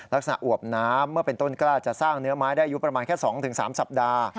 อวบน้ำเมื่อเป็นต้นกล้าจะสร้างเนื้อไม้ได้อายุประมาณแค่๒๓สัปดาห์